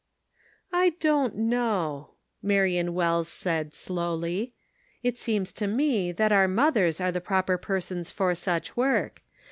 " I don't know," Marion Wells said, slowly. "It seems to me that our mothers are the proper persons for such work.